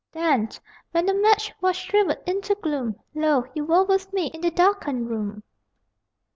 Then, when the match was shrivelled into gloom, Lo you were with me in the darkened room.